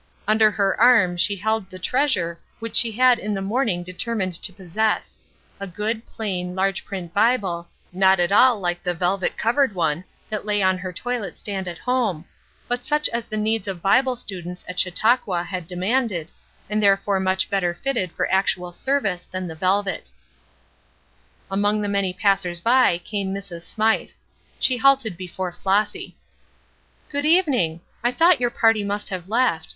Under her arm she held the treasure which she had in the morning determined to possess a good, plain, large print Bible, not at all like the velvet covered one that lay on her toilet stand at home, but such as the needs of Bible students at Chautauqua had demanded, and therefore much better fitted for actual service than the velvet. Among the many passers by came Mrs. Smythe. She halted before Flossy. "Good evening. I thought your party must have left.